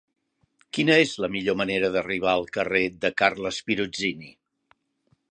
Quina és la millor manera d'arribar al carrer de Carles Pirozzini?